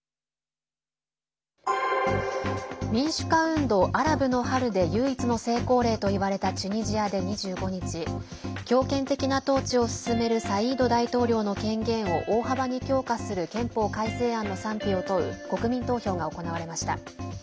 民主化運動、アラブの春で唯一の成功例といわれたチュニジアで、２５日強権的な統治を進めるサイード大統領の権限を大幅に強化する憲法改正案の賛否を問う国民投票が行われました。